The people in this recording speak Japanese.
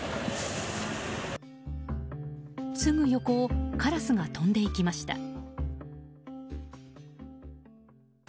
すぐ横をカラスが飛んでいきました。